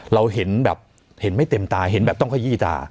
เราเห็นแบบไม่เต็มตาต้องขยี้ตา